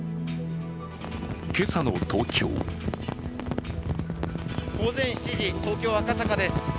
今朝の東京午前７時、東京・赤坂です。